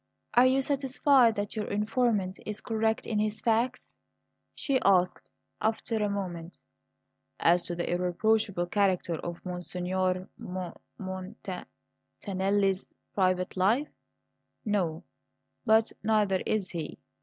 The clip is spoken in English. "Are you satisfied that your informant is correct in his facts?" she asked after a moment. "As to the irreproachable character of Monsignor M mon t tan nelli's private life? No; but neither is he.